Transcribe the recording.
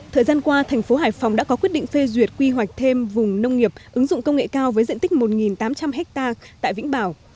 thời gian qua thành phố hải phòng đã có quyết định phê duyệt quy hoạch thêm vùng nông nghiệp ứng dụng công nghệ cao với diện tích một tám trăm linh ha tại vĩnh bảo